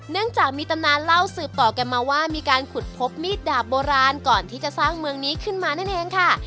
เนื่องจากมีตำนานเล่าสืบต่อกันมาว่ามีการขุดพบมีดดาบโบราณก่อนที่จะสร้างเมืองนี้ขึ้นมานั่นเองค่ะ